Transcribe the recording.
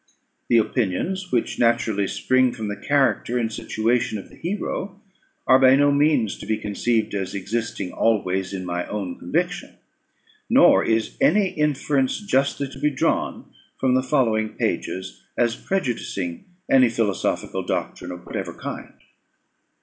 The opinions which naturally spring from the character and situation of the hero are by no means to be conceived as existing always in my own conviction; nor is any inference justly to be drawn from the following pages as prejudicing any philosophical doctrine of whatever kind.